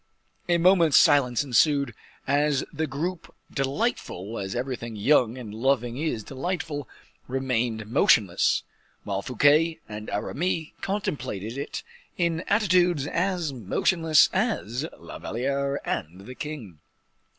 A moment's silence ensued, as the group, delightful as everything young and loving is delightful, remained motionless, while Fouquet and Aramis contemplated it in attitudes as motionless as La Valliere and the king.